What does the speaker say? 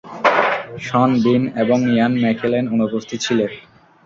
শন Bean এবং Ian McKellen অনুপস্থিত ছিলেন।